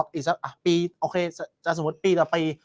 เพราะสมมติปีละปี